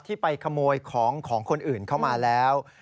ไปขโมยของของคนอื่นเข้ามาแล้ว